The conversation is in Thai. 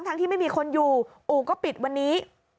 ที่ไม่มีคนอยู่อู่ก็ปิดวันนี้